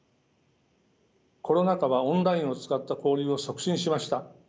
コロナ禍はオンラインを使った交流を促進しました。